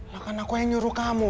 lah kan aku yang nyuruh kamu